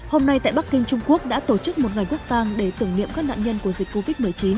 hôm nay tại bắc kinh trung quốc đã tổ chức một ngày quốc tàng để tưởng niệm các nạn nhân của dịch covid một mươi chín